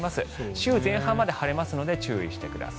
週前半まで晴れますので注意してください。